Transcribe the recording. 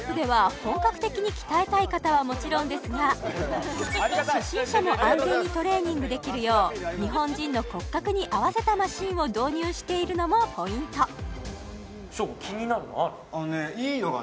本格的に鍛えたい方はもちろんですが初心者も安全にトレーニングできるよう日本人の骨格に合わせたマシンを導入しているのもポイントショーゴ気になるのある？